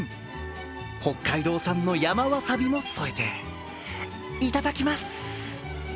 北海道産の山わさびも添えて、いただきます。